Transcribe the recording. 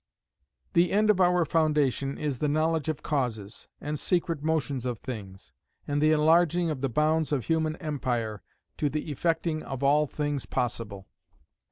"The end of our foundation is the knowledge of causes, and secret motions of things; and the enlarging of the bounds of human empire, to the effecting of all things possible.